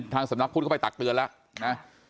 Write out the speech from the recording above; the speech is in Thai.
สำนักพุทธก็ไปตักเตือนแล้วนะ